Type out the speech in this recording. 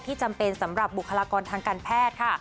จำเป็นสำหรับบุคลากรทางการแพทย์ค่ะ